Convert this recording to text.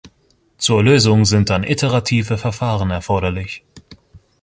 Zur Lösung sind dann iterative Verfahren erforderlich.